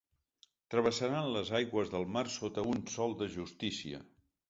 Travessaran les aigües del mar sota un sol de justícia.